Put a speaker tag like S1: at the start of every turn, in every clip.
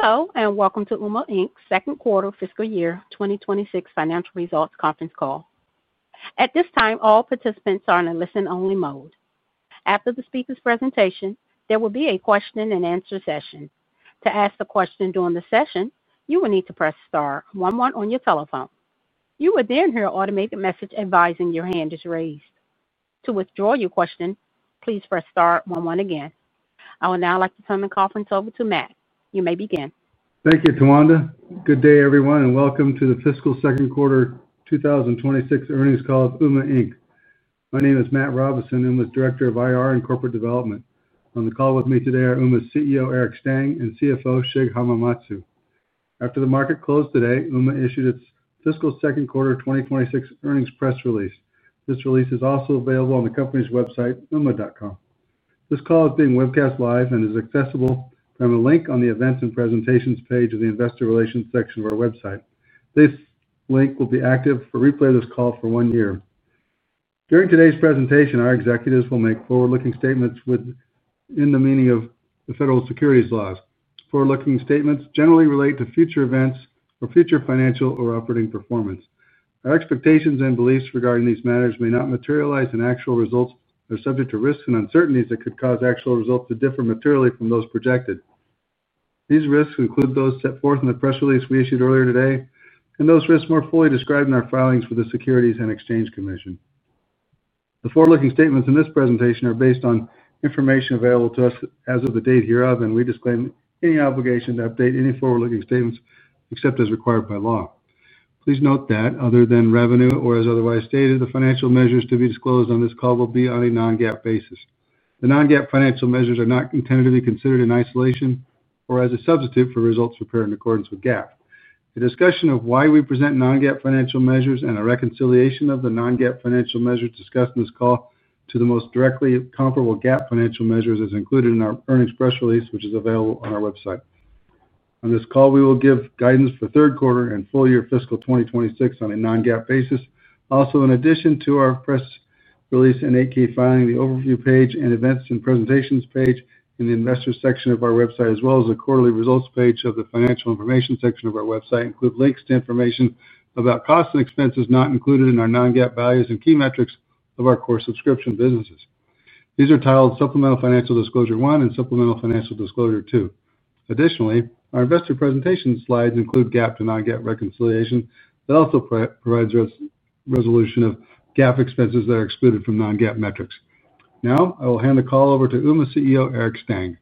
S1: Hello and welcome to Ooma Inc.'s Second Quarter Fiscal Year 2026 Financial Results Conference Call. At this time, all participants are in a listen-only mode. After the speaker's presentation, there will be a question and answer session. To ask a question during the session, you will need to press *11 on your telephone. You will then hear an automated message advising your hand is raised. To withdraw your question, please press *11 again. I will now like to turn the conference over to Matt. You may begin.
S2: Thank you, Tawanda. Good day, everyone, and welcome to the Fiscal Second Quarter 2026 Earnings Call at Ooma Inc. My name is Matt Robison. I'm the Director of IR and Corporate Development. On the call with me today are Ooma's CEO, Eric Stang, and CFO, Shig Hamamatsu. After the market closed today, Ooma issued its fiscal second quarter 2026 earnings press release. This release is also available on the company's website, ooma.com. This call is being webcast live and is accessible from a link on the Events and Presentations page of the Investor Relations section of our website. This link will be active to replay this call for one year. During today's presentation, our executives will make forward-looking statements in the meaning of the Federal Securities Laws. Forward-looking statements generally relate to future events or future financial or operating performance. Our expectations and beliefs regarding these matters may not materialize in actual results and are subject to risks and uncertainties that could cause actual results to differ materially from those projected. These risks include those set forth in the press release we issued earlier today, and those risks more fully described in our filings with the Securities and Exchange Commission. The forward-looking statements in this presentation are based on information available to us as of the date hereof, and we disclaim any obligation to update any forward-looking statements except as required by law. Please note that, other than revenue or as otherwise stated, the financial measures to be disclosed on this call will be on a non-GAAP basis. The non-GAAP financial measures are not intended to be considered in isolation or as a substitute for results prepared in accordance with GAAP. The discussion of why we present non-GAAP financial measures and a reconciliation of the non-GAAP financial measures discussed in this call to the most directly comparable GAAP financial measures is included in our earnings press release, which is available on our website. On this call, we will give guidance for third quarter and full year fiscal 2026 on a non-GAAP basis. Also, in addition to our press release and 8-K filing, the overview page and Events and Presentations page in the Investor section of our website, as well as the quarterly results page of the Financial Information section of our website, include links to information about costs and expenses not included in our non-GAAP values and key metrics of our core subscription businesses. These are titled Supplemental Financial Disclosure 1 and Supplemental Financial Disclosure 2. Additionally, our Investor Presentation slides include GAAP to non-GAAP reconciliation that also provides resolution of GAAP expenses that are excluded from non-GAAP metrics. Now, I will hand the call over to Ooma's CEO, Eric Stang.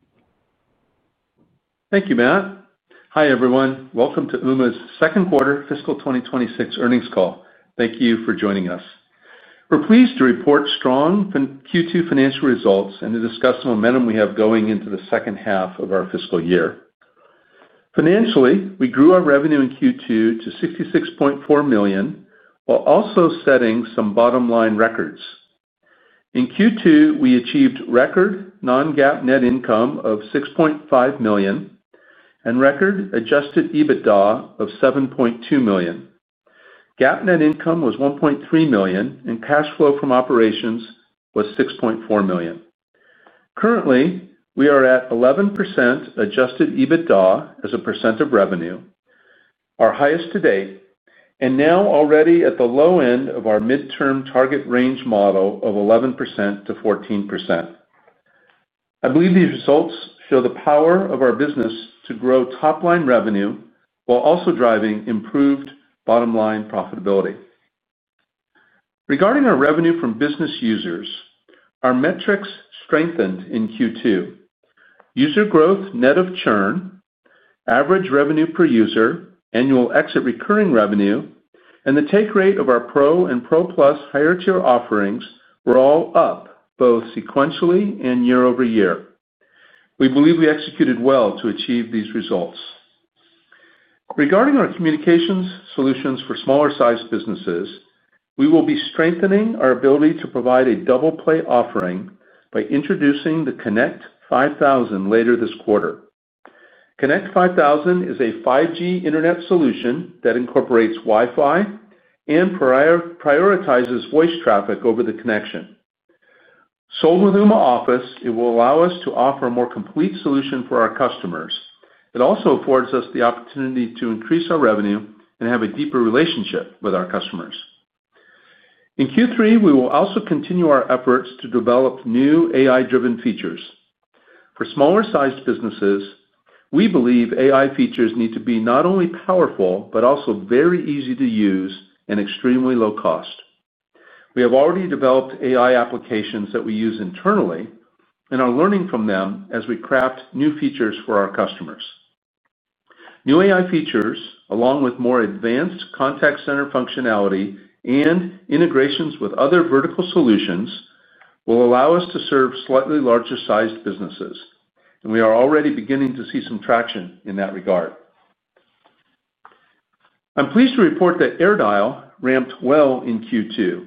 S3: Thank you, Matt. Hi, everyone. Welcome to Ooma's Second Quarter Fiscal 2026 Earnings Call. Thank you for joining us. We're pleased to report strong Q2 financial results and to discuss the momentum we have going into the second half of our fiscal year. Financially, we grew our revenue in Q2 to $66.4 million, while also setting some bottom-line records. In Q2, we achieved record non-GAAP net income of $6.5 million and record adjusted EBITDA of $7.2 million. GAAP net income was $1.3 million, and cash flow from operations was $6.4 million. Currently, we are at 11% adjusted EBITDA as a percent of revenue, our highest to date, and now already at the low end of our midterm target range model of 11%-14%. I believe these results show the power of our business to grow top-line revenue while also driving improved bottom-line profitability. Regarding our revenue from business users, our metrics strengthened in Q2: user growth net of churn, average revenue per user, annual exit recurring revenue, and the take rate of our Pro and Pro Plus higher tier offerings were all up both sequentially and year-over-year. We believe we executed well to achieve these results. Regarding our communications solutions for smaller sized businesses, we will be strengthening our ability to provide a double play offering by introducing the Connect 5000 later this quarter. Connect 5000 is a 5G internet solution that incorporates Wi-Fi and prioritizes voice traffic over the connection. Sold with Ooma Office, it will allow us to offer a more complete solution for our customers. It also affords us the opportunity to increase our revenue and have a deeper relationship with our customers. In Q3, we will also continue our efforts to develop new AI-driven features. For smaller sized businesses, we believe AI features need to be not only powerful but also very easy to use and extremely low cost. We have already developed AI applications that we use internally and are learning from them as we craft new features for our customers. New AI features, along with more advanced contact center functionality and integrations with other vertical solutions, will allow us to serve slightly larger sized businesses, and we are already beginning to see some traction in that regard. I'm pleased to report that AirDial ramped well in Q2.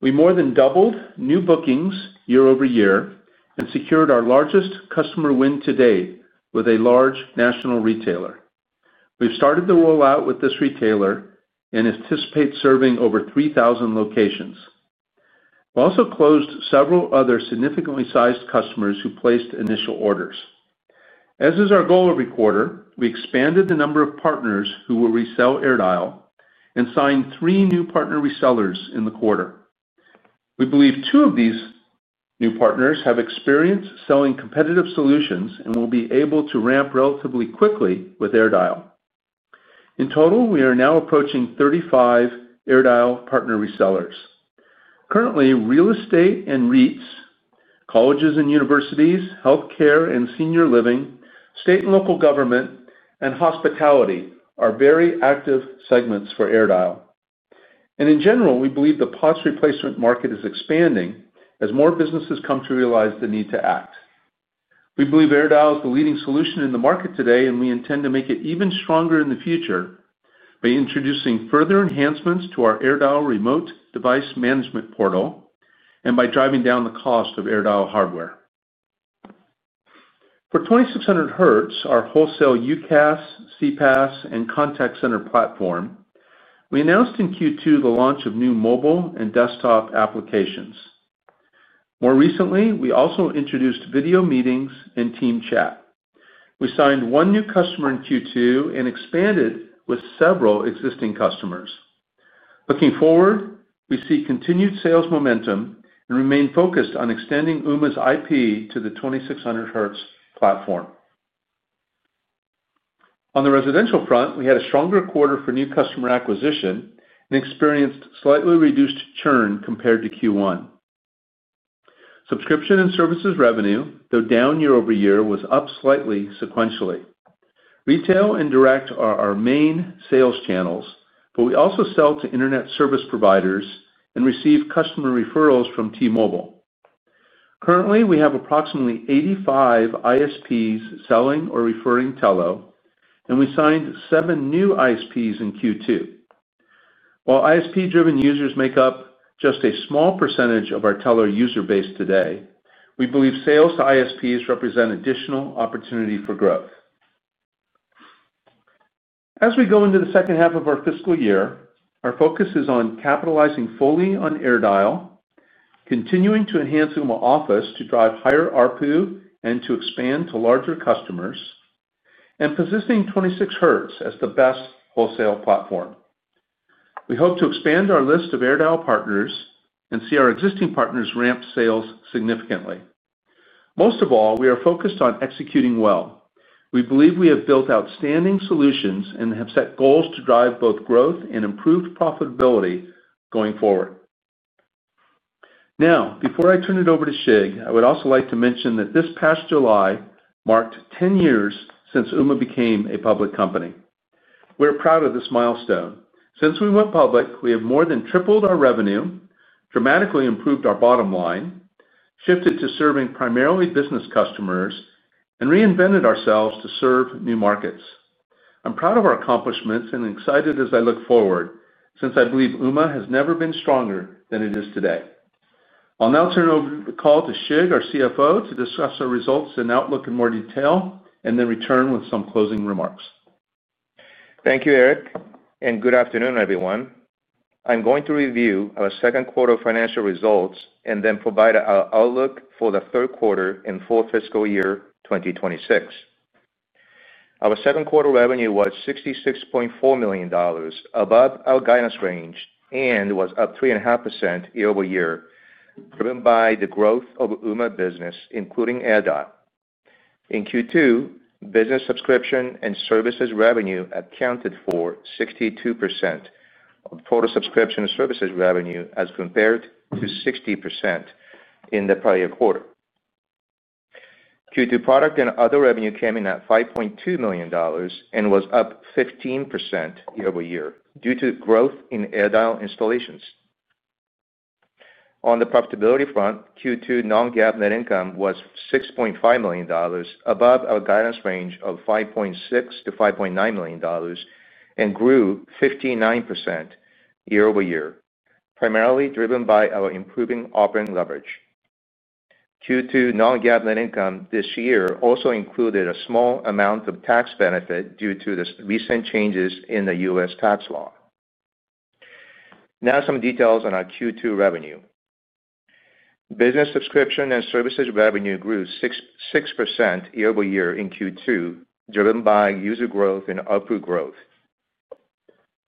S3: We more than doubled new bookings year-over-year and secured our largest customer win to date with a large national retailer. We've started the rollout with this retailer and anticipate serving over 3,000 locations. We also closed several other significantly sized customers who placed initial orders. As is our goal every quarter, we expanded the number of partners who will resell AirDial and signed three new partner resellers in the quarter. We believe two of these new partners have experience selling competitive solutions and will be able to ramp relatively quickly with AirDial. In total, we are now approaching 35 AirDial partner resellers. Currently, real estate and REITs, colleges and universities, healthcare and senior living, state and local government, and hospitality are very active segments for AirDial. In general, we believe the POTS replacement market is expanding as more businesses come to realize the need to act. We believe AirDial is the leading solution in the market today, and we intend to make it even stronger in the future by introducing further enhancements to our AirDial remote device management portal and by driving down the cost of AirDial hardware. For 2600Hz, our wholesale UCaaS, CPaaS, and contact center platform, we announced in Q2 the launch of new mobile and desktop applications. More recently, we also introduced video meetings and team chat. We signed one new customer in Q2 and expanded with several existing customers. Looking forward, we see continued sales momentum and remain focused on extending Ooma IP to the 2600Hz platform. On the residential front, we had a stronger quarter for new customer acquisition and experienced slightly reduced churn compared to Q1. Subscription and services revenue, though down year-over-year, was up slightly sequentially. Retail and direct are our main sales channels, but we also sell to internet service providers and receive customer referrals from T-Mobile. Currently, we have approximately 85 ISPs selling or referring Telo, and we signed seven new ISPs in Q2. While ISP-driven users make up just a small percentage of our Telo user base today, we believe sales to ISPs represent additional opportunity for growth. As we go into the second half of our fiscal year, our focus is on capitalizing fully on AirDial, continuing to enhance Ooma Office to drive higher ARPU and to expand to larger customers, and positioning 2600Hz as the best wholesale platform. We hope to expand our list of AirDial partners and see our existing partners ramp sales significantly. Most of all, we are focused on executing well. We believe we have built outstanding solutions and have set goals to drive both growth and improved profitability going forward. Now, before I turn it over to Shig, I would also like to mention that this past July marked 10 years since Ooma became a public company. We're proud of this milestone. Since we went public, we have more than tripled our revenue, dramatically improved our bottom line, shifted to serving primarily business customers, and reinvented ourselves to serve new markets. I'm proud of our accomplishments and excited as I look forward, since I believe Ooma has never been stronger than it is today. I'll now turn over the call to Shig, our CFO, to discuss our results and outlook in more detail, and then return with some closing remarks.
S4: Thank you, Eric, and good afternoon, everyone. I'm going to review our second quarter financial results and then provide our outlook for the third quarter and full fiscal year 2026. Our second quarter revenue was $66.4 million, above our guidance range, and was up 3.5% year-over-year, driven by the growth of Ooma business, including AirDial. In Q2, business subscription and services revenue accounted for 62% of total subscription and services revenue as compared to 60% in the prior quarter. Q2 product and other revenue came in at $5.2 million and was up 15% year-over-year due to growth in AirDial installations. On the profitability front, Q2 non-GAAP net income was $6.5 million, above our guidance range of $5.6-$5.9 million, and grew 59% year-over-year, primarily driven by our improving operating leverage. Q2 non-GAAP net income this year also included a small amount of tax benefit due to the recent changes in the U.S. tax law. Now, some details on our Q2 revenue. Business subscription and services revenue grew 6% year-over-year in Q2, driven by user growth and ARPU growth.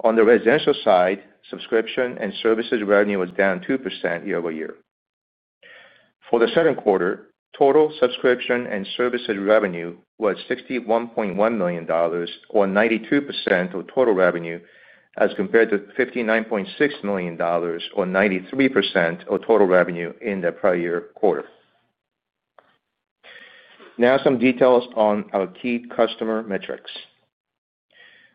S4: On the residential side, subscription and services revenue was down 2% year-over-year. For the second quarter, total subscription and services revenue was $61.1 million, or 92% of total revenue, as compared to $59.6 million, or 93% of total revenue in the prior quarter. Now, some details on our key customer metrics.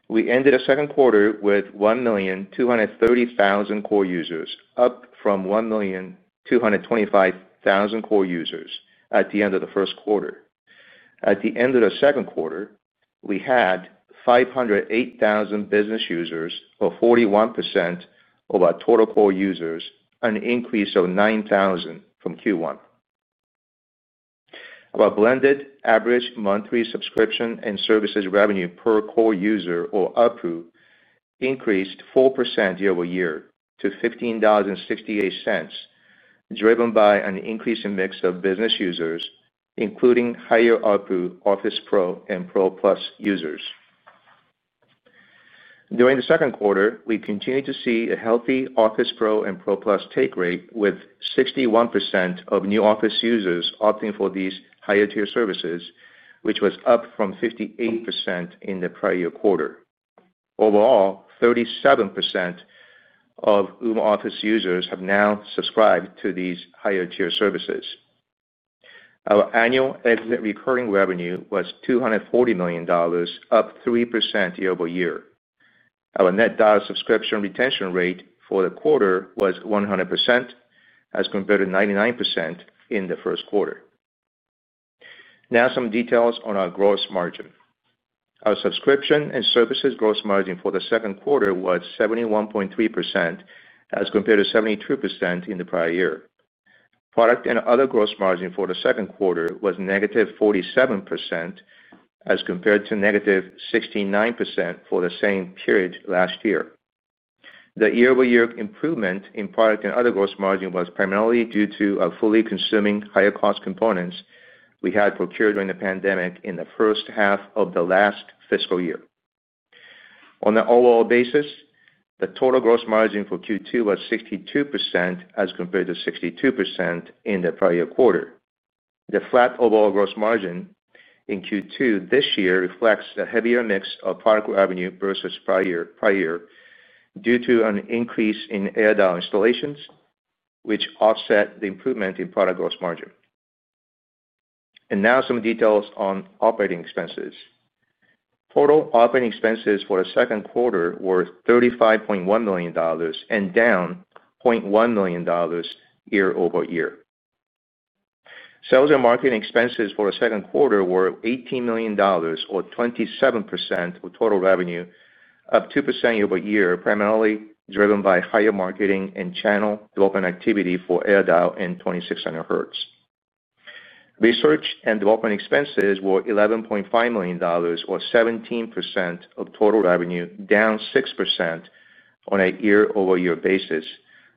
S4: We ended the second quarter with 1,230,000 core users, up from 1,225,000 core users at the end of the first quarter. At the end of the second quarter, we had 508,000 business users, or 41% of our total core users, an increase of 9,000 from Q1. Our blended average monthly subscription and services revenue per core user, or ARPU, increased 4% year-over-year to $15.68, driven by an increase in the mix of business users, including higher ARPU Office Pro and Pro Plus users. During the second quarter, we continued to see a healthy Office Pro and Pro Plus take rate, with 61% of new Office users opting for these higher tier services, which was up from 58% in the prior quarter. Overall, 37% of Ooma Office users have now subscribed to these higher tier services. Our annual exit recurring revenue was $240 million, up 3% year-over-year. Our net dollar subscription retention rate for the quarter was 100%, as compared to 99% in the first quarter. Now, some details on our gross margin. Our subscription and services gross margin for the second quarter was 71.3%, as compared to 72% in the prior year. Product and other gross margin for the second quarter was -47%, as compared to -69% for the same period last year. The year-over-year improvement in product and other gross margin was primarily due to our fully consuming higher cost components we had procured during the pandemic in the first half of the last fiscal year. On the overall basis, the total gross margin for Q2 was 62%, as compared to 62% in the prior quarter. The flat overall gross margin in Q2 this year reflects a heavier mix of product revenue versus prior year due to an increase in AirDial installations, which offset the improvement in product gross margin. Now, some details on operating expenses. Total operating expenses for the second quarter were $35.1 million and down $0.1 million year-over-year. Sales and marketing expenses for the second quarter were $18 million, or 27% of total revenue, up 2% year-over-year, primarily driven by higher marketing and channel development activity for AirDial and 2600Hz. Research and development expenses were $11.5 million, or 17% of total revenue, down 6% on a year-over-year basis,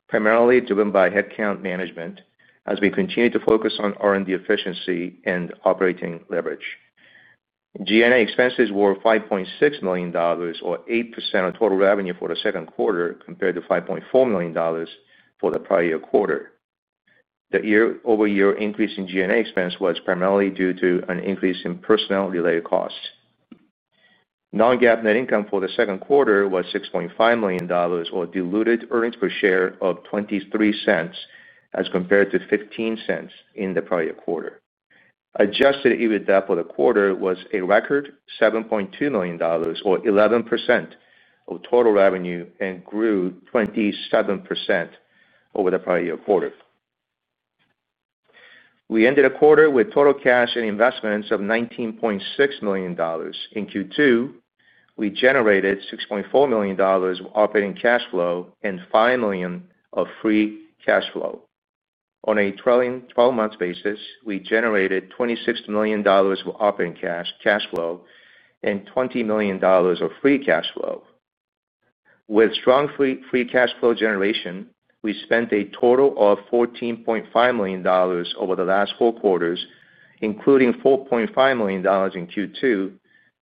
S4: primarily driven by headcount management as we continue to focus on R&D efficiency and operating leverage. G&A expenses were $5.6 million, or 8% of total revenue for the second quarter, compared to $5.4 million for the prior quarter. The year-over-year increase in G&A expense was primarily due to an increase in personnel-related costs. Non-GAAP net income for the second quarter was $6.5 million, or a diluted earnings per share of $0.23, as compared to $0.15 in the prior quarter. Adjusted EBITDA for the quarter was a record $7.2 million, or 11% of total revenue, and grew 27% over the prior year quarter. We ended the quarter with total cash and investments of $19.6 million. In Q2, we generated $6.4 million of operating cash flow and $5 million of free cash flow. On a 12-month basis, we generated $26 million of operating cash flow and $20 million of free cash flow. With strong free cash flow generation, we spent a total of $14.5 million over the last four quarters, including $4.5 million in Q2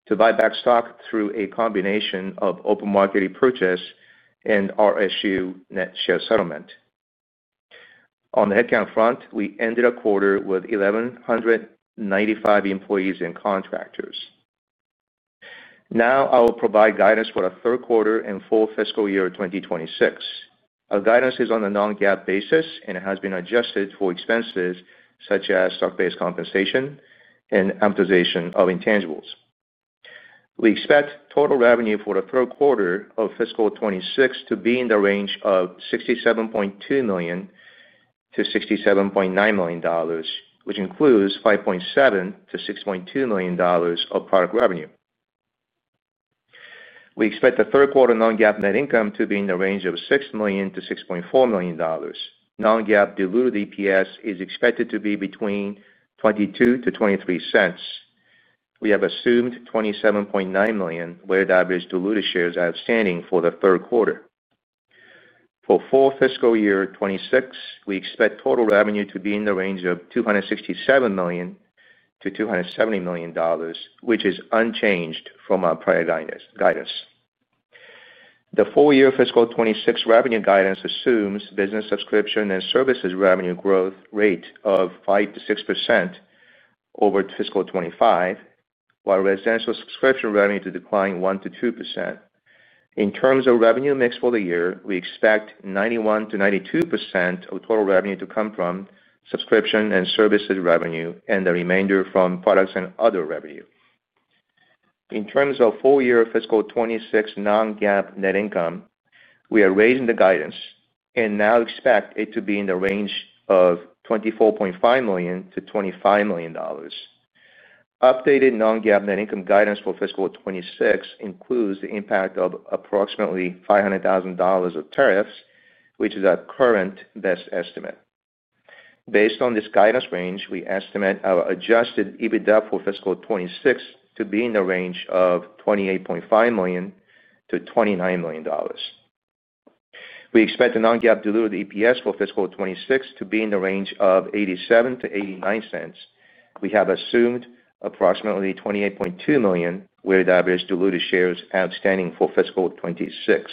S4: to buy back stock through a combination of open market purchase and RSU net share settlement. On the headcount front, we ended the quarter with 1,195 employees and contractors. Now, I will provide guidance for the third quarter and full fiscal year 2026. Our guidance is on a non-GAAP basis and has been adjusted for expenses such as stock-based compensation and amortization of intangibles. We expect total revenue for the third quarter of fiscal 2026 to be in the range of $67.2 million-$67.9 million, which includes $5.7 million-$6.2 million of product revenue. We expect the third quarter non-GAAP net income to be in the range of $6 million-$6.4 million. Non-GAAP diluted EPS is expected to be between $0.22-$0.23. We have assumed 27.9 million diluted shares outstanding for the third quarter. For full fiscal year 2026, we expect total revenue to be in the range of $267 million-$270 million, which is unchanged from our prior guidance. The full year fiscal 2026 revenue guidance assumes business subscription and services revenue growth rate of 5%-6% over fiscal 2025, while residential subscription revenue is expected to decline 1%-2%. In terms of revenue mix for the year, we expect 91%-92% of total revenue to come from subscription and services revenue and the remainder from products and other revenue. In terms of full year fiscal 2026 non-GAAP net income, we are raising the guidance and now expect it to be in the range of $24.5 million-$25 million. Updated non-GAAP net income guidance for fiscal 2026 includes the impact of approximately $500,000 of tariffs, which is our current best estimate. Based on this guidance range, we estimate our adjusted EBITDA for fiscal 2026 to be in the range of $28.5 million-$29 million. We expect the non-GAAP diluted EPS for fiscal 2026 to be in the range of $0.87-$0.89. We have assumed approximately 28.2 million diluted shares outstanding for fiscal 2026.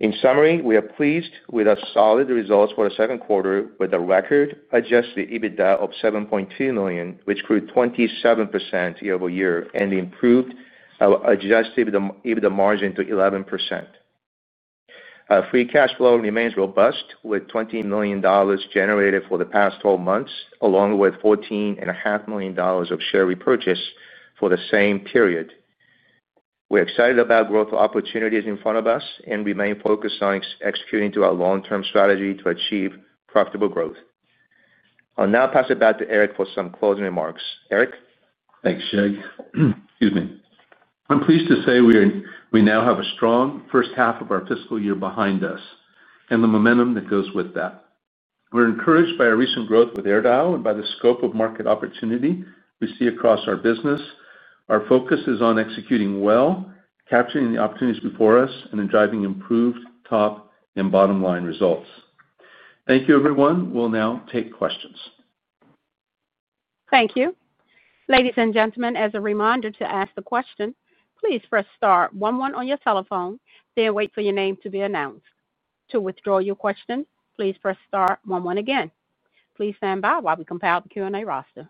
S4: In summary, we are pleased with our solid results for the second quarter with a record adjusted EBITDA of $7.2 million, which grew 27% year-over-year and improved our adjusted EBITDA margin to 11%. Our free cash flow remains robust, with $20 million generated for the past 12 months, along with $14.5 million of share repurchase for the same period. We're excited about growth opportunities in front of us and remain focused on executing through our long-term strategy to achieve profitable growth. I'll now pass it back to Eric for some closing remarks. Eric?
S3: Thanks, Shig. I'm pleased to say we now have a strong first half of our fiscal year behind us and the momentum that goes with that. We're encouraged by our recent growth with AirDial and by the scope of market opportunity we see across our business. Our focus is on executing well, capturing the opportunities before us, and driving improved top and bottom line results. Thank you, everyone. We'll now take questions.
S1: Thank you. Ladies and gentlemen, as a reminder to ask a question, please press *11 on your telephone, then wait for your name to be announced. To withdraw your question, please press *11 again. Please stand by while we compile the Q&A roster.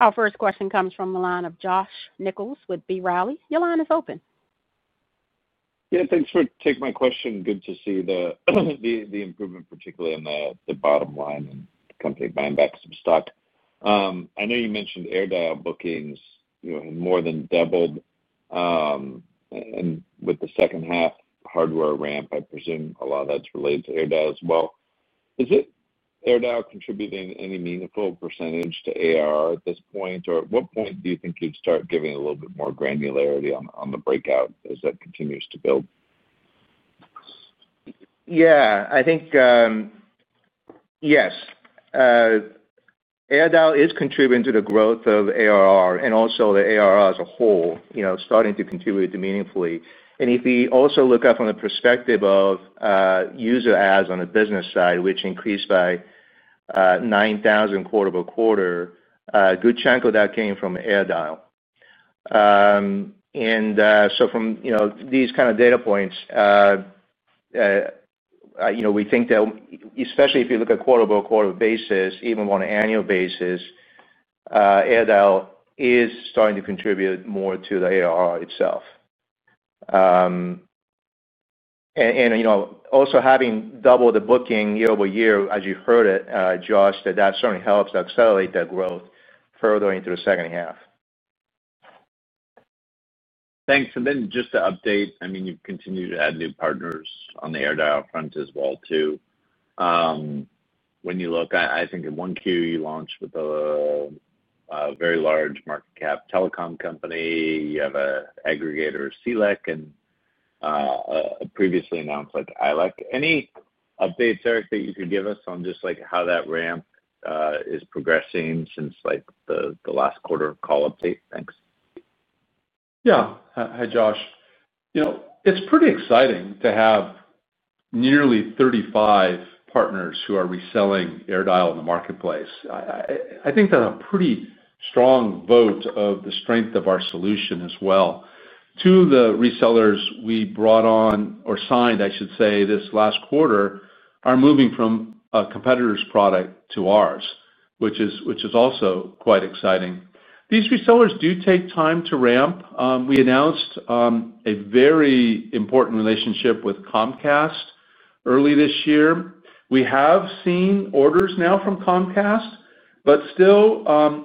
S1: Our first question comes from the line of Josh Nichols with B. Riley. Your line is open.
S5: Yeah, thanks for taking my question. Good to see the improvement, particularly in the bottom line and company buying back some stock. I know you mentioned AirDial bookings, you know, more than doubled. With the second half hardware ramp, I presume a lot of that's related to AirDial as well. Is it AirDial contributing in any meaningful percentage to AR at this point? At what point do you think you'd start giving a little bit more granularity on the breakout as that continues to build?
S4: Yeah, I think, yes, AirDial is contributing to the growth of ARR and also the ARR as a whole is starting to contribute meaningfully. If you also look at it from the perspective of user adds on the business side, which increased by 9,000 quarter-by-quarter, a good chunk of that came from AirDial. From these kind of data points, we think that especially if you look at a quarter by quarter basis, even on an annual basis, AirDial is starting to contribute more to the ARR itself. Also, having double the booking year-over-year, as you've heard it, Josh, that certainly helps to accelerate that growth further into the second half.
S5: Thanks. Just to update, you continue to add new partners on the AirDial front as well, too. When you look, I think in Q1, you launched with a very large market cap telecom company. You have an aggregator, CLEC, and a previously announced ILEC. Any updates, Eric, that you could give us on just how that ramp is progressing since the last quarter call update? Thanks.
S3: Yeah. Hi, Josh. It's pretty exciting to have nearly 35 partners who are reselling AirDial in the marketplace. I think that's a pretty strong vote of the strength of our solution as well. Two of the resellers we brought on, or signed, I should say, this last quarter are moving from a competitor's product to ours, which is also quite exciting. These resellers do take time to ramp. We announced a very important relationship with Comcast early this year. We have seen orders now from Comcast, but still,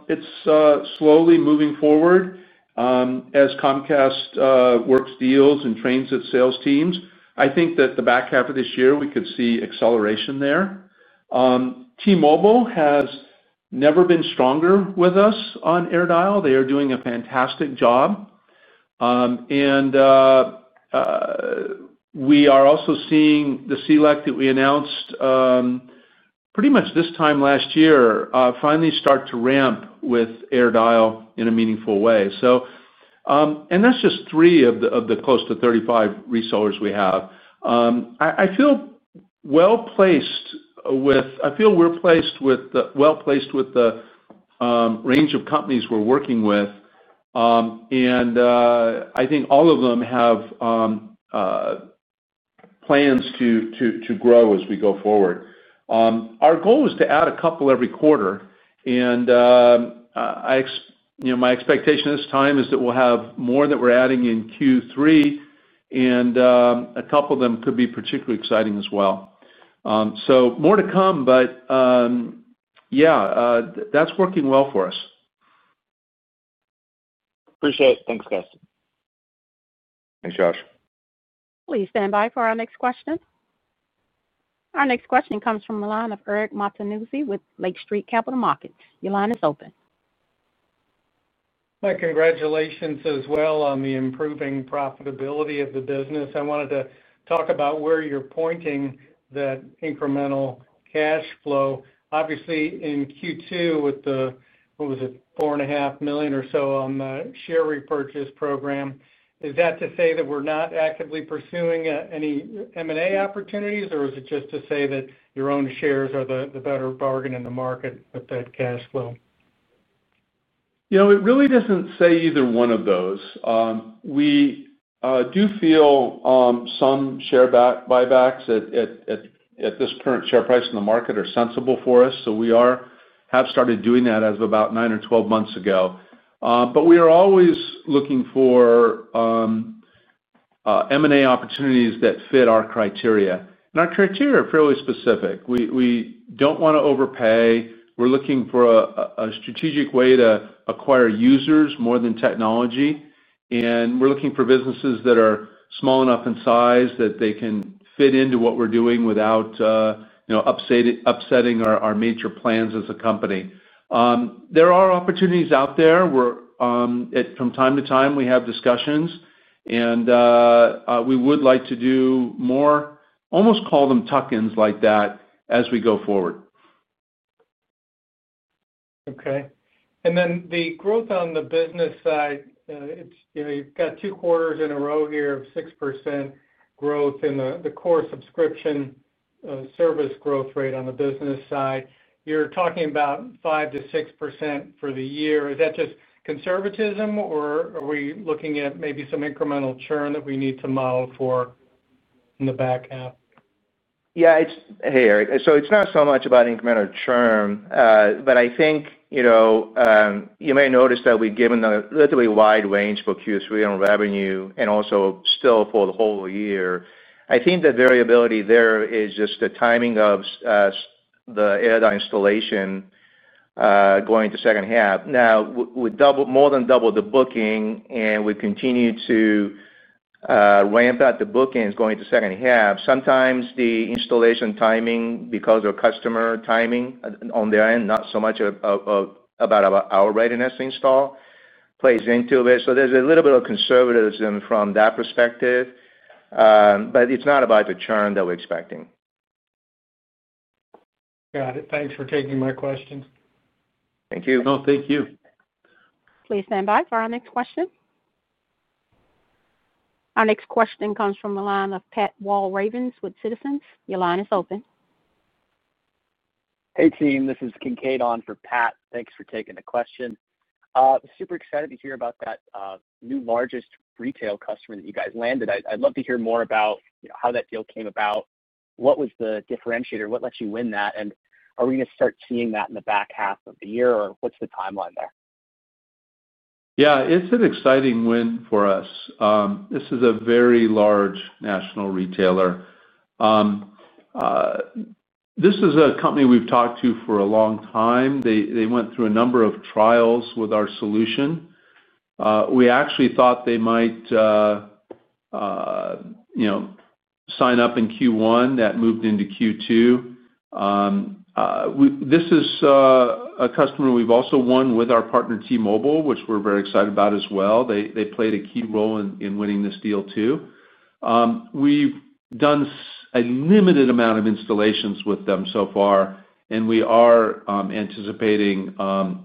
S3: it's slowly moving forward as Comcast works deals and trains its sales teams. I think that the back half of this year, we could see acceleration there. T-Mobile has never been stronger with us on AirDial. They are doing a fantastic job. We are also seeing the CELEC that we announced pretty much this time last year finally start to ramp with AirDial in a meaningful way. That's just three of the close to 35 resellers we have. I feel we're well placed with the range of companies we're working with. I think all of them have plans to grow as we go forward. Our goal is to add a couple every quarter. My expectation this time is that we'll have more that we're adding in Q3, and a couple of them could be particularly exciting as well. More to come, but yeah, that's working well for us.
S5: Appreciate it. Thanks, guys.
S3: Thanks, Josh.
S1: Please stand by for our next question. Our next question comes from the line of Eric Martinuzzi with Lake Street Capital Markets. Your line is open.
S6: Mike, congratulations as well on the improving profitability of the business. I wanted to talk about where you're pointing that incremental cash flow. Obviously, in Q2 with the, what was it, $4.5 million or so on the share repurchase program, is that to say that we're not actively pursuing any M&A opportunities, or is it just to say that your own shares are the better bargain in the market with that cash flow?
S3: It really doesn't say either one of those. We do feel some share buybacks at this current share price in the market are sensible for us. We have started doing that as of about nine or 12 months ago. We are always looking for M&A opportunities that fit our criteria, and our criteria are fairly specific. We don't want to overpay. We're looking for a strategic way to acquire users more than technology, and we're looking for businesses that are small enough in size that they can fit into what we're doing without upsetting our major plans as a company. There are opportunities out there. From time to time, we have discussions, and we would like to do more, almost call them tuck-ins like that, as we go forward.
S6: Okay. The growth on the business side, you've got two quarters in a row here of 6% growth in the core subscription service growth rate on the business side. You're talking about 5%-6% for the year. Is that just conservatism, or are we looking at maybe some incremental churn that we need to model for in the back half?
S4: Yeah, it's, hey, Eric. It's not so much about incremental churn, but I think you may notice that we've given a relatively wide range for Q3 on revenue and also still for the whole year. I think the variability there is just the timing of the AirDial installation going to the second half. Now, we doubled, more than doubled the booking, and we continue to ramp up the bookings going to the second half. Sometimes the installation timing, because of customer timing on their end, not so much about our readiness to install, plays into it. There's a little bit of conservatism from that perspective, but it's not about the churn that we're expecting.
S6: Got it. Thanks for taking my question.
S4: Thank you.
S6: No, thank you.
S1: Please stand by for our next question. Our next question comes from the line of Pat Walravens with Citizens. Your line is open.
S7: Hey, team. This is Kincaid on for Pat. Thanks for taking the question. Super excited to hear about that new largest retail customer that you guys landed. I'd love to hear more about how that deal came about, what was the differentiator, what let you win that, and are we going to start seeing that in the back half of the year, or what's the timeline there?
S3: Yeah, it's an exciting win for us. This is a very large national retailer. This is a company we've talked to for a long time. They went through a number of trials with our solution. We actually thought they might, you know, sign up in Q1. That moved into Q2. This is a customer we've also won with our partner T-Mobile, which we're very excited about as well. They played a key role in winning this deal, too. We've done a limited amount of installations with them so far, and we are anticipating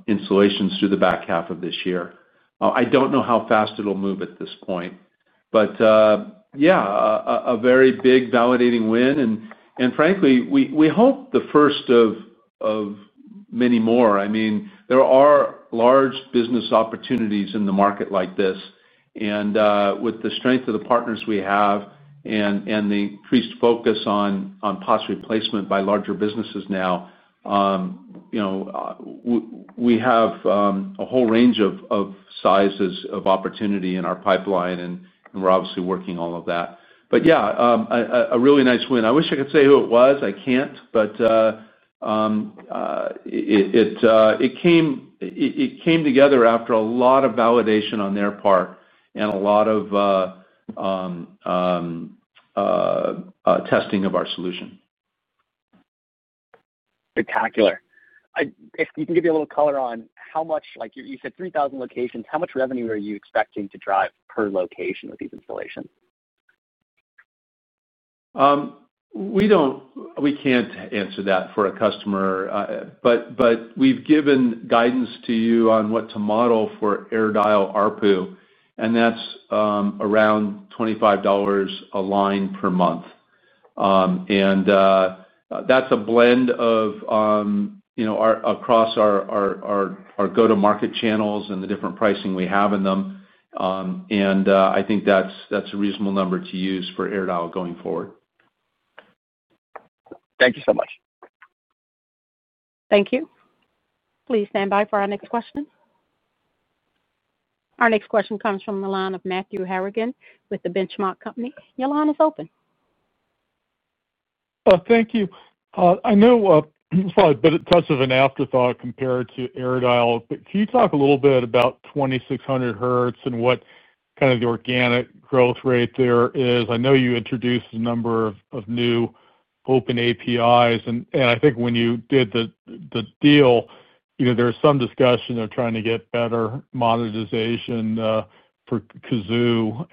S3: installations through the back half of this year. I don't know how fast it'll move at this point. A very big validating win. Frankly, we hope the first of many more. There are large business opportunities in the market like this. With the strength of the partners we have and the increased focus on POTS replacement by larger businesses now, we have a whole range of sizes of opportunity in our pipeline, and we're obviously working all of that. A really nice win. I wish I could say who it was. I can't, but it came together after a lot of validation on their part and a lot of testing of our solution.
S7: Spectacular. If you can give me a little color on how much, like you said, 3,000 locations, how much revenue are you expecting to drive per location with these installations?
S3: We can't answer that for a customer, but we've given guidance to you on what to model for AirDial ARPU, and that's around $25 a line per month. That's a blend of, you know, across our go-to-market channels and the different pricing we have in them. I think that's a reasonable number to use for AirDial going forward.
S7: Thank you so much.
S1: Thank you. Please stand by for our next question. Our next question comes from the line of Matthew Harrigan with The Benchmark Company. Your line is open.
S8: Thank you. I know it's probably a bit of a test of an afterthought compared to AirDial, but can you talk a little bit about 2600Hz and what kind of the organic growth rate there is? I know you introduced a number of new open APIs, and I think when you did the deal, you know, there was some discussion of trying to get better monetization for Kazoo.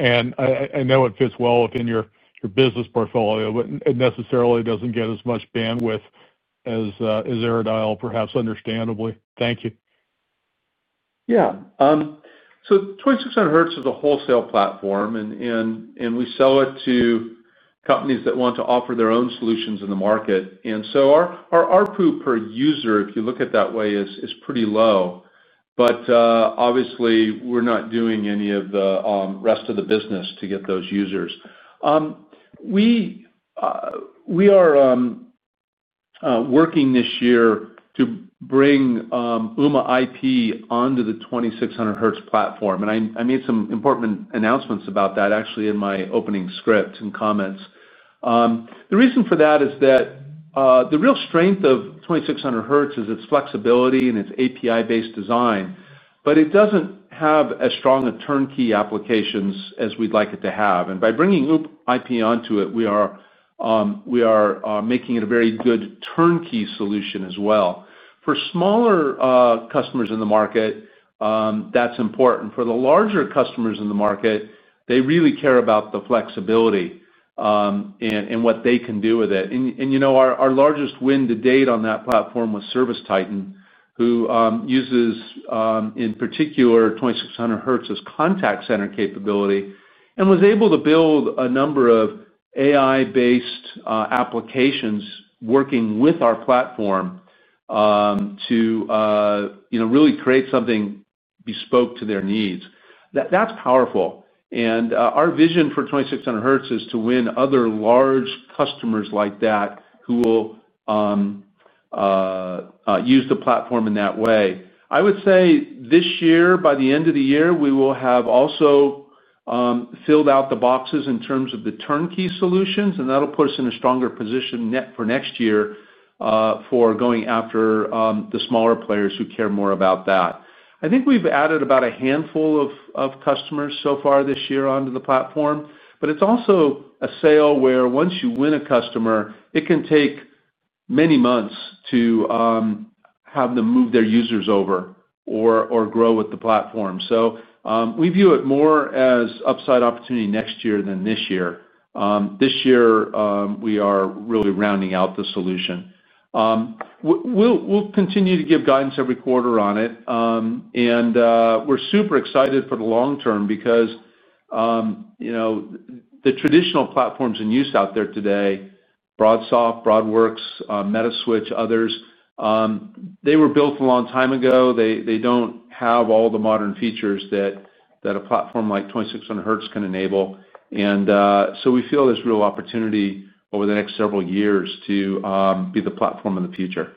S8: I know it fits well within your business portfolio, but it necessarily doesn't get as much bandwidth as AirDial, perhaps understandably. Thank you.
S3: Yeah. 2600Hz is a wholesale platform, and we sell it to companies that want to offer their own solutions in the market. Our ARPU per user, if you look at it that way, is pretty low. Obviously, we're not doing any of the rest of the business to get those users. We are working this year to bring Ooma IP onto the 2600Hz platform, and I made some important announcements about that actually in my opening script and comments. The reason for that is that the real strength of 2600Hz is its flexibility and its API-based design, but it doesn't have as strong a turnkey application as we'd like it to have. By bringing Ooma IP onto it, we are making it a very good turnkey solution as well. For smaller customers in the market, that's important. For the larger customers in the market, they really care about the flexibility and what they can do with it. Our largest win to date on that platform was ServiceTitan, who uses in particular 2600Hz's contact center capability and was able to build a number of AI-driven applications working with our platform to really create something bespoke to their needs. That's powerful. Our vision for 2600Hz is to win other large customers like that who will use the platform in that way. I would say this year, by the end of the year, we will have also filled out the boxes in terms of the turnkey solutions, and that'll put us in a stronger position for next year for going after the smaller players who care more about that. I think we've added about a handful of customers so far this year onto the platform, but it's also a sale where once you win a customer, it can take many months to have them move their users over or grow with the platform. We view it more as upside opportunity next year than this year. This year, we are really rounding out the solution. We'll continue to give guidance every quarter on it. We're super excited for the long term because the traditional platforms in use out there today, BroadSoft, BroadWorks, MetaSwitch, others, were built a long time ago. They don't have all the modern features that a platform like 2600Hz can enable. We feel there's real opportunity over the next several years to be the platform of the future.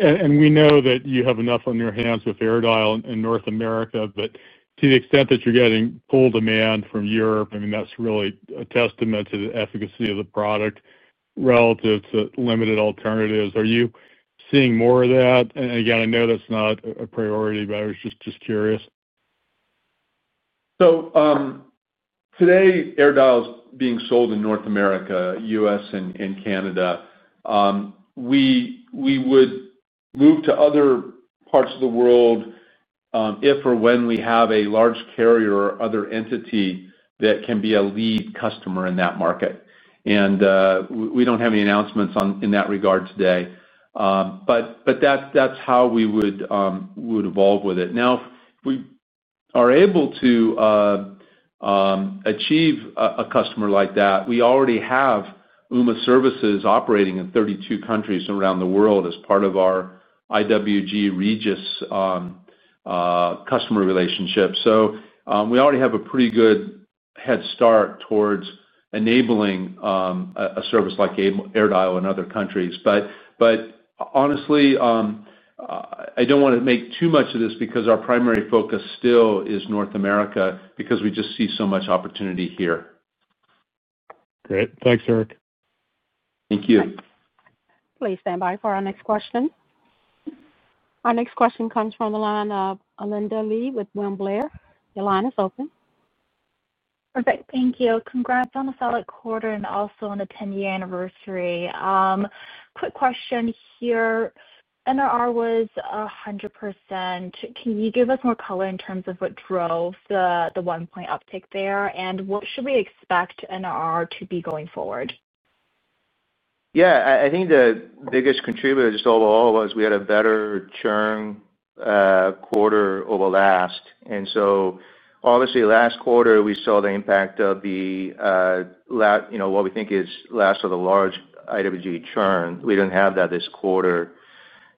S8: We know that you have enough on your hands with AirDial in North America. To the extent that you're getting full demand from Europe, that's really a testament to the efficacy of the product relative to limited alternatives. Are you seeing more of that? I know that's not a priority, but I was just curious.
S3: Today, AirDial is being sold in North America, U.S., and Canada. We would move to other parts of the world if or when we have a large carrier or other entity that can be a lead customer in that market. We don't have any announcements in that regard today. That's how we would evolve with it. If we are able to achieve a customer like that, we already have Ooma services operating in 32 countries around the world as part of our IWG Regis customer relationship. We already have a pretty good head start towards enabling a service like AirDial in other countries. Honestly, I don't want to make too much of this because our primary focus still is North America because we just see so much opportunity here.
S8: Great. Thanks, Eric.
S3: Thank you.
S1: Please stand by for our next question. Our next question comes from the line of Alinda Li with William Blair. Your line is open.
S9: Perfect. Thank you. Congrats on a solid quarter and also on the 10-year anniversary. Quick question here. NRR was 100%. Can you give us more color in terms of what drove the one-point uptick there? What should we expect NRR to be going forward?
S4: I think the biggest contributor just overall was we had a better churn quarter over last. Obviously, last quarter, we saw the impact of what we think is last of the large IWG churn. We didn't have that this quarter.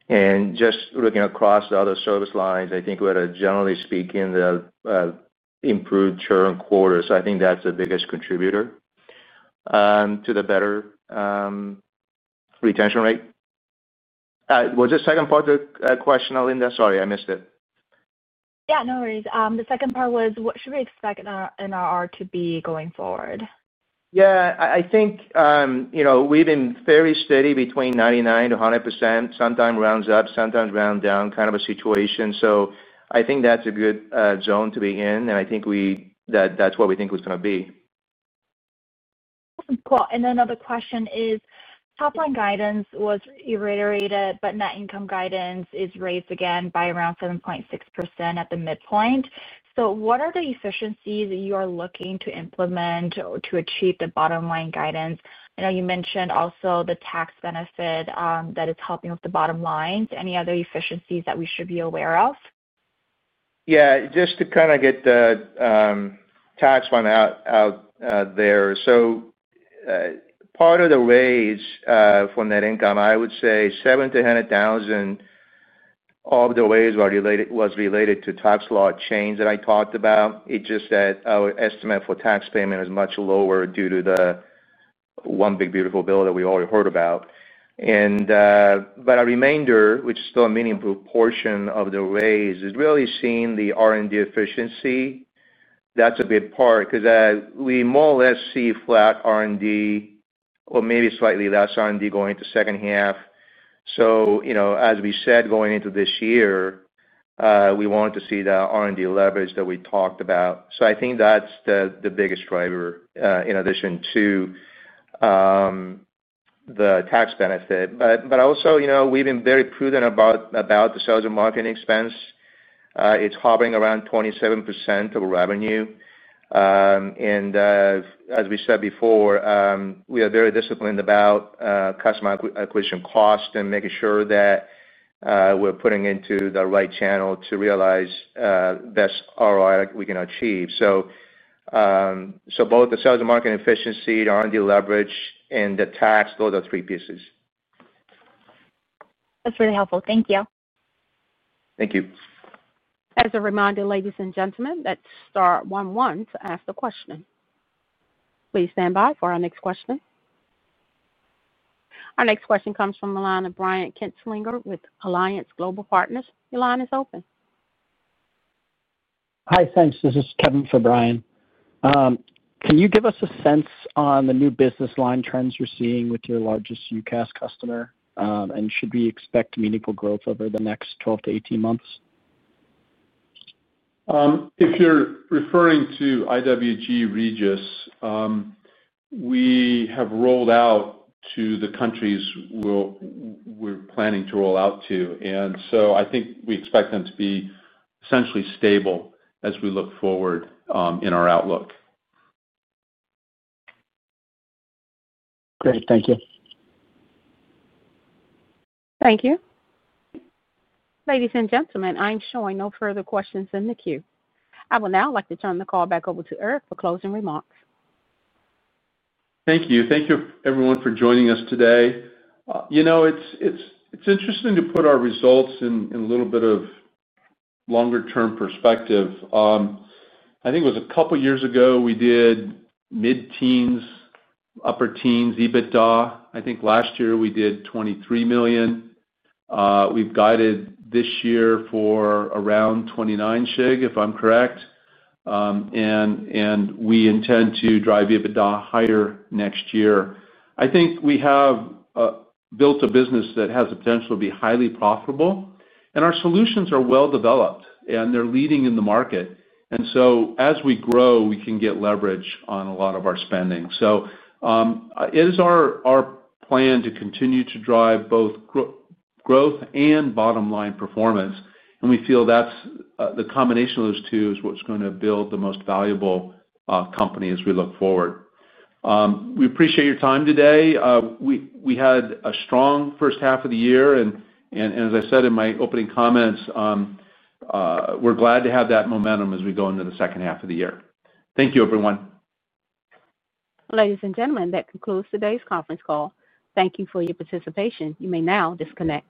S4: Just looking across the other service lines, I think we had, generally speaking, the improved churn quarter. I think that's the biggest contributor to the better retention rate. Was the second part of the question, Alinda? Sorry, I missed it.
S9: Yeah, no worries. The second part was what should we expect in our NRR to be going forward?
S4: I think we've been very steady between 99%-100%. Sometimes it rounds up, sometimes it rounds down, kind of a situation. I think that's a good zone to be in, and I think that's what we think it's going to be.
S9: Awesome. Cool. Another question is top line guidance was reiterated, but net income guidance is raised again by around 7.6% at the midpoint. What are the efficiencies that you are looking to implement to achieve the bottom line guidance? I know you mentioned also the tax benefit that is helping with the bottom lines. Any other efficiencies that we should be aware of?
S4: Yeah, just to kind of get the tax fund out there. Part of the raise from that income, I would say $7,000-$100,000 of the raise was related to tax law change that I talked about. It's just that our estimate for tax payment is much lower due to the one big beautiful bill that we all heard about. The remainder, which is still a meaningful portion of the raise, is really seeing the R&D efficiency. That's a big part because we more or less see flat R&D or maybe slightly less R&D going into the second half. As we said, going into this year, we wanted to see the R&D leverage that we talked about. I think that's the biggest driver, in addition to the tax benefit. Also, we've been very prudent about the sales and marketing expense. It's hovering around 27% of revenue, and as we said before, we are very disciplined about customer acquisition cost and making sure that we're putting into the right channel to realize the best ROI that we can achieve. Both the sales and marketing efficiency, the R&D leverage, and the tax, those are three pieces.
S9: That's really helpful. Thank you.
S4: Thank you.
S1: As a reminder, ladies and gentlemen, that's star one one to ask the question. Please stand by for our next question. Our next question comes from the line of Brian Kinstlinger with Alliance Global Partners. Your line is open.
S10: Hi, thanks. This is Kevin for Brian. Can you give us a sense on the new business line trends you're seeing with your largest UCaaS customer? Should we expect meaningful growth over the next 12-18 months?
S3: If you're referring to IWG Regus, we have rolled out to the countries we're planning to roll out to, and I think we expect them to be essentially stable as we look forward in our outlook.
S10: Great. Thank you.
S1: Thank you. Ladies and gentlemen, I'm showing no further questions in the queue. I will now like to turn the call back over to Eric for closing remarks.
S3: Thank you. Thank you, everyone, for joining us today. You know, it's interesting to put our results in a little bit of longer-term perspective. I think it was a couple of years ago we did 15%-17%, 17%-19% EBITDA. I think last year we did $23 million. We've guided this year for around $29 million, Shige, if I'm correct. We intend to drive EBITDA higher next year. I think we have built a business that has the potential to be highly profitable. Our solutions are well developed, and they're leading in the market. As we grow, we can get leverage on a lot of our spending. It is our plan to continue to drive both growth and bottom line performance. We feel that the combination of those two is what's going to build the most valuable company as we look forward. We appreciate your time today. We had a strong first half of the year. As I said in my opening comments, we're glad to have that momentum as we go into the second half of the year. Thank you, everyone.
S1: Ladies and gentlemen, that concludes today's conference call. Thank you for your participation. You may now disconnect.